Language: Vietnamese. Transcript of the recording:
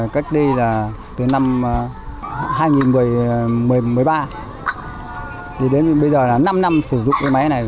cách đây là từ năm hai nghìn một mươi ba đến bây giờ là năm năm sử dụng cái máy này